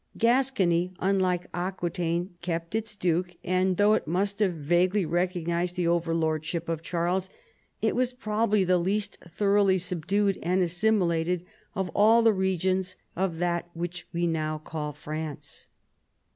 Gascony, unlike Aquitaine, kept its duke, and| though it must have vaguely recognized the over lordship of Charles, it was probably the least thor oughly subdued and assimilated of all the regions of that which we now call France.